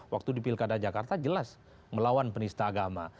waktu di pilkada jakarta jelas melawan penista agama